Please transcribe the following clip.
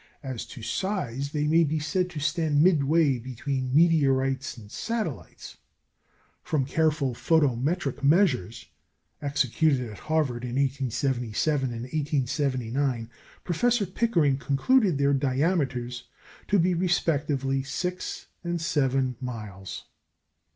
As to size, they may be said to stand midway between meteorites and satellites. From careful photometric measures executed at Harvard in 1877 and 1879, Professor Pickering concluded their diameters to be respectively six and seven miles.